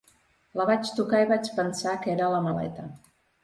La vaig tocar i vaig pensar que era la maleta.